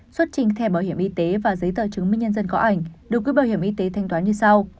xuất trình thẻ bảo hiểm y tế và giấy tờ chứng minh nhân dân có ảnh được quỹ bảo hiểm y tế thanh toán như sau